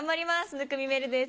生見愛瑠です